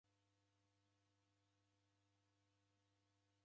Marughu ghose ghewurwa